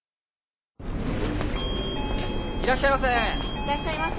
いらっしゃいませ！